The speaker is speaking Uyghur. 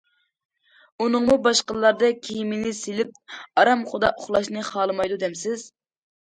ئۇنىڭمۇ باشقىلاردەك كىيىمىنى سېلىپ ئارامخۇدا ئۇخلاشنى خالىمايدۇ دەمسىز؟!